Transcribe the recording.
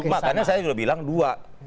makanya saya sudah bilang dua